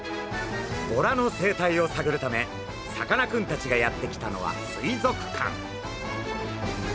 ボラの生態をさぐるためさかなクンたちがやって来たのは水族館。